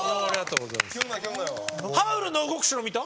「ハウルの動く城」見た？